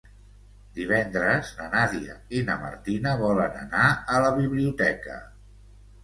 Divendres na Nàdia i na Martina volen anar a la biblioteca.